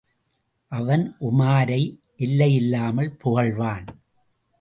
அவன் உமாரை எல்லையில்லாமல் புகழ்வான்.